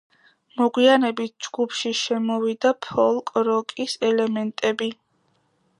მოგვიანებით ჯგუფში შემოვიდა ფოლკ-როკის ელემენტები.